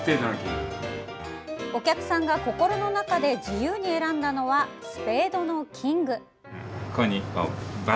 お客さんが心の中で自由に選んだのはスペードのキング。